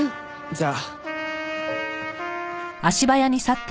じゃあ。